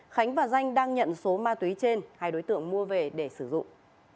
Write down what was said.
khánh và danh đang nhận số ma túy trên hai đối tượng mua về để sử dụng